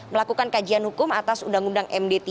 melakukan kajian hukum atas undang undang md tiga